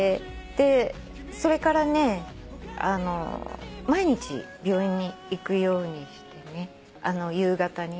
それからね毎日病院に行くようにして夕方に。